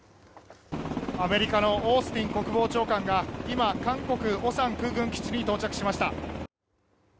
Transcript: アメリカのオースティン国防長官が今、韓国・オサン空軍基地に到着しました。